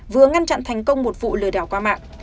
vừa ngăn chặn thành công một vụ lừa đảo qua mạng